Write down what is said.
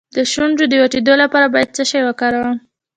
د شونډو د چاودیدو لپاره باید څه شی وکاروم؟